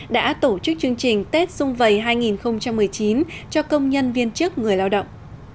đã tổ chức chương trình tết xung vầy hai nghìn một mươi chín cho công nhân viên chức người lao động